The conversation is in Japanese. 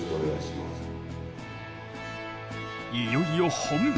いよいよ本番。